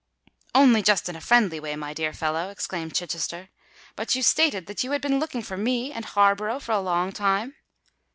"Only just in a friendly way, my dear fellow," exclaimed Chichester. "But you stated that you had been looking for me and Harborough for a long time?"